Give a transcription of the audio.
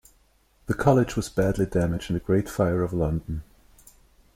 The College was badly damaged in the Great Fire of London.